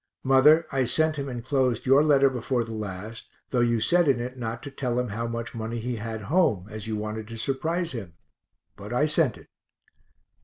Mother, I sent him enclosed your letter before the last, though you said in it not to tell him how much money he had home, as you wanted to surprise him; but I sent it.